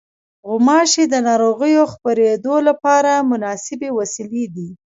غوماشې د ناروغیو خپرېدلو لپاره مناسبې وسیلې دي.